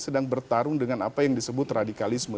sedang bertarung dengan apa yang disebut radikalisme